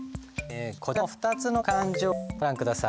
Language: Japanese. こちらの２つの勘定をご覧下さい。